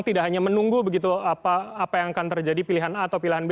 tidak hanya menunggu begitu apa yang akan terjadi pilihan a atau pilihan b